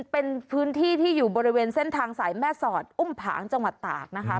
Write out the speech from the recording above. เป็นพื้นที่ที่อยู่บริเวณเส้นทางสายแม่สอดอุ้มผางจังหวัดตากนะคะ